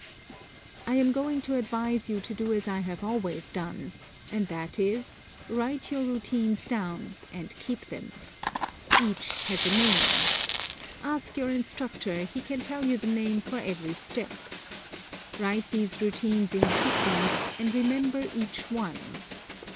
I am going to advise you to do as I have always done, and that is, write your routines down and keep them. Each has a name. Ask your instructor, he can tell you the name for every step. Write these routines in sequence, and remember each one.